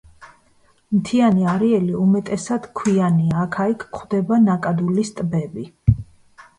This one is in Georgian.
მთიანი არეალი უმეტესად ქვიანია, აქა-იქ გვხვდება ნაკადულის ტბები.